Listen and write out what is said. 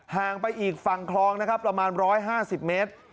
ห่างไปอีกฝั่งคลองนะครับประมาณ๑๕๐เมตร